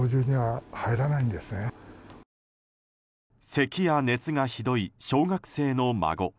せきや熱がひどい小学生の孫。